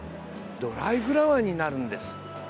ドライフラワーになるんです。